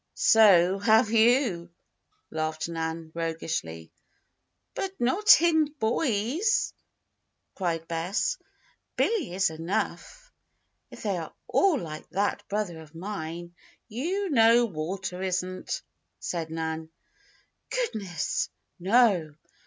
"So have you," laughed Nan, roguishly. "But not in boys!" cried Bess. "Billy is enough. If they are all like that brother of mine " "You know Walter isn't," said Nan. "Goodness! No!